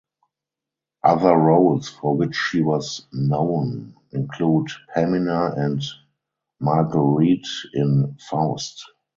Other roles for which she was known include Pamina and Marguerite in "Faust".